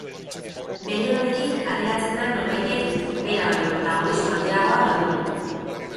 Bere onetik ateratzen da norbaitek berak baino protagonismo handiago badu.